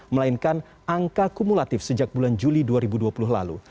melainkan angka kumulatif sejak bulan juli dua ribu dua puluh lalu